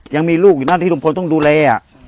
ยังมีลูกอยู่นั่นที่ลุงพลต้องดูแล